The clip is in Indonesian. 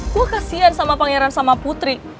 gue kasian sama pangeran sama putri